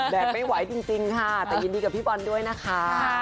ไม่ไหวจริงค่ะแต่ยินดีกับพี่บอลด้วยนะคะ